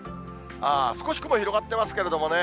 少し雲広がってますけどね。